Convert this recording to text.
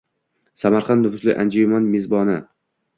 Samarqand – nufuzli anjuman mezboni